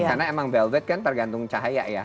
karena emang velvet kan tergantung cahaya ya